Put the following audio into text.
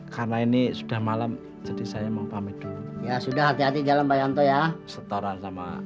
karena ini sudah malam jadi saya mau pamit dulu ya sudah hati hati jalan bayanto ya setoran sama